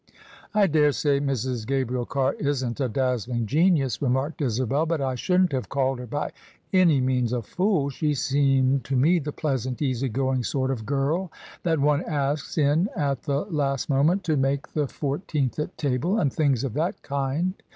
"" I daresay Mrs. Gabriel Carr isn't a dazzling genius," remarked Isabel, " but I shouldn't have called her by any means a fool. She seemed to me the pleasant, easy going sort of girl that one asks in at the last moment to make the [ 220] k OF ISABEL CARNABY fourteenth at table, and things of that kind.